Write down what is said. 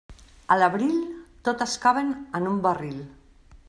A l'abril, totes caben en un barril.